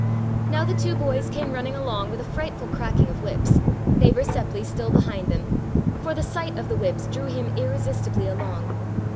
Now the two boys came running along with a frightful cracking of whips, neighbor Seppli still behind them, for the sight of the whips drew him irresistibly along.